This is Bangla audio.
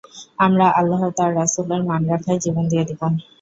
আমরা আল্লাহ ও তাঁর রাসূলের মান রক্ষায় জীবন দিয়ে দিব।